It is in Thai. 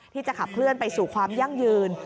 ที่จะขับเคลื่อนไปสู่ความยั่งยืน